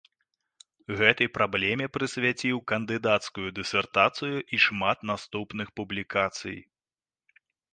Гэтай праблеме прысвяціў кандыдацкую дысертацыю і шмат наступных публікацый.